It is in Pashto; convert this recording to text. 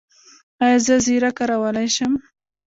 ایا زه زیره کارولی شم؟